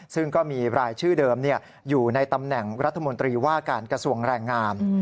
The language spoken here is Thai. ซึ่งก็มีรายชื่อเดิมอยู่ในตำแหน่งรัฐมนตรีว่าการกระทรวงแรงงาม